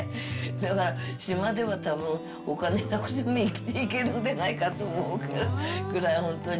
だから島ではたぶん、お金なくても生きていけるんでないかと思うぐらい本当に。